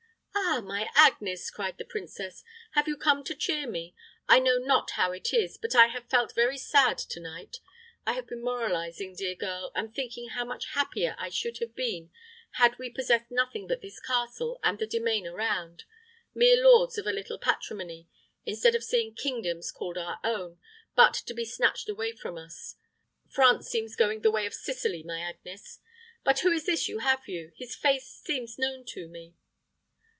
"Ah, my Agnes," cried the princess, "have you come to cheer me? I know not how it is, but I have felt very sad to night. I have been moralizing, dear girl, and thinking how much happier I should have been had we possessed nothing but this castle and the demesne around, mere lords of a little patrimony, instead of seeing kingdoms called our own, but to be snatched away from us. France seems going the way of Sicily, my Agnes. But who is this you have with you? His face seems known to me."